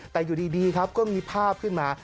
แต่อยู่ดีครับก็มีภาพขึ้นมา